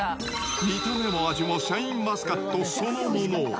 見た目も味もシャインマスカットそのもの。